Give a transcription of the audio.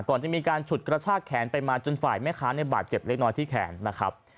ก่อนจะมีการฉุดกระชากแขนไปมาจนฝ่ายแม่ค้าในบาดเจ็บเล็กน้อยที่แขนนะครับ